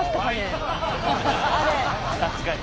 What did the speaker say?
確かに。